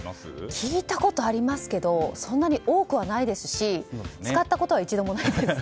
聞いたことありますけどそんなに多くはありませんし使ったことは一度もないです。